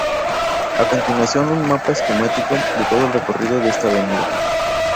A continuación, un mapa esquemático de todo el recorrido de esta avenida.